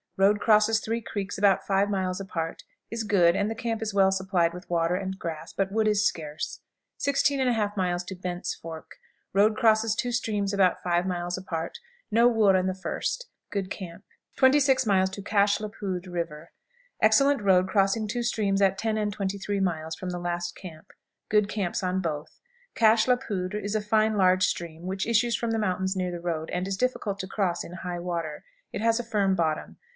Road crosses three creeks about five miles apart, is good, and the camp is well supplied with water and grass, but wood is scarce. 16 1/2. Bent's Fork. Road crosses two streams about five miles apart; no wood on the first. Good camp. 26. Cashe la Poudre River. Excellent road crossing two streams at ten and twenty three miles from the last camp; good camps on both. Cashe la Poudre is a fine large stream which issues from the mountains near the road, and is difficult to cross in high water. It has a firm bottom.